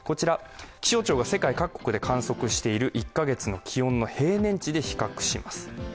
気象庁が世界各国で観測している１カ月の気温の平年値で比較します。